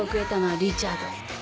リチャード？